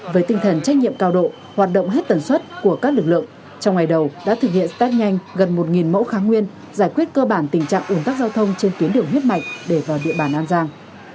với tinh thần trách nhiệm cao độ hoạt động hết tần suất của các lực lượng trong ngày đầu đã thực hiện start nhanh gần một mẫu kháng nguyên giải quyết cơ bản tình trạng ủn tắc giao thông trên tuyến đường huyết mạch để vào địa bàn an giang